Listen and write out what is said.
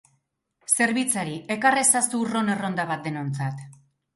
Zerbitzari, ekar ezazu ron erronda bat denontzat!